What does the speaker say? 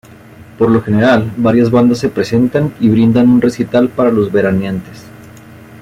Por lo general varias bandas se presentan y brindan un recital para los veraneantes.